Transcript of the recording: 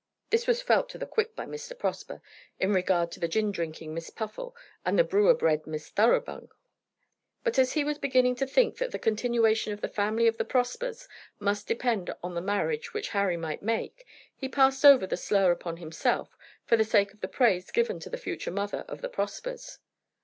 This was felt to the quick by Mr. Prosper, in regard to the gin drinking Miss Puffle and the brewer bred Miss Thoroughbung; but as he was beginning to think that the continuation of the family of the Prospers must depend on the marriage which Harry might make, he passed over the slur upon himself for the sake of the praise given to the future mother of the Prospers.